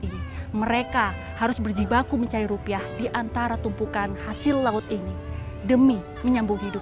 ini mereka harus berjibaku mencari rupiah diantara tumpukan hasil laut ini demi menyambung hidup